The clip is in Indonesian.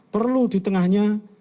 perlu di tengahnya